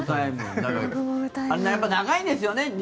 長いんですよね。